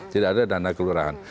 tidak ada dana kelurahan